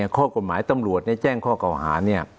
ข้อกฎหมายตำรวจแจ้งข้อกวาหา